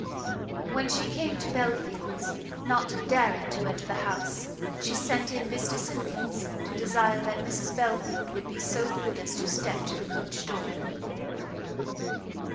When she came to Belfield's, not daring to enter the house, she sent in Mr Simkins, to desire that Mrs Belfield would be so good as to step to the coach door.